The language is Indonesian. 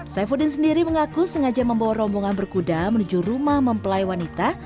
saifuddin sendiri mengaku sengaja membawa rombongan berkuda menuju rumah mempelai wanita